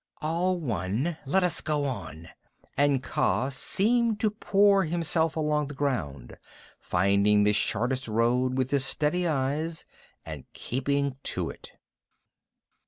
"All one. Let us go on," and Kaa seemed to pour himself along the ground, finding the shortest road with his steady eyes, and keeping to it.